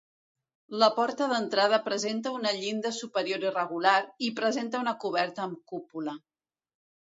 La porta d'entrada presenta una llinda superior irregular i presenta una coberta amb cúpula.